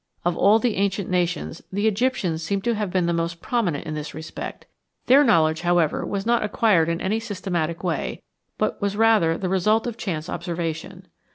Of all the ancient nations the Egyptians seem to have been the most prominent in this respect ; their knowledge, however, was not acquired in any systematic way, but wa$ rather the result of chance observation.